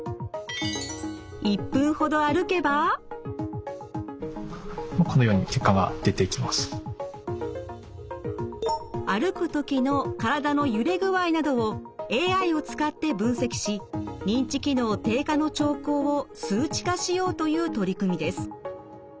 歩く時の体の揺れ具合などをＡＩを使って分析し認知機能低下の兆候を数値化しようという取り組みです。